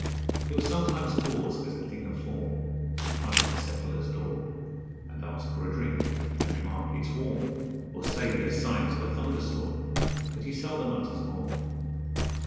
He'll sometimes pause as a thing of form In front of a settler's door, And ask for a drink, and remark 'It's warm, Or say 'There's signs of a thunder storm'; But he seldom utters more.